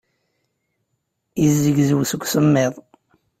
Yezzegzew seg usemmiḍ.